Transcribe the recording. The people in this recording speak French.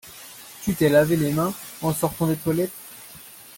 Tu t'es lavé les mains en sortant des toilettes?